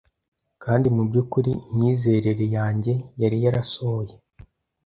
Kandi mubyukuri imyizerere yanjye yari yarasohoye